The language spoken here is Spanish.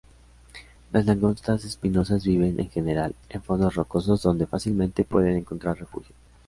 Las langostas espinosas viven, en general, en fondos rocosos donde fácilmente pueden encontrar refugios.